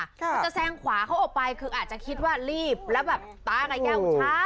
คือจะแซงขวาเข้าไปคืออาจจะคิดว่ารีบและบอกตาแก่เก่าช้า